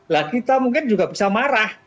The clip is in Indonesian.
lah kita mungkin juga bisa marah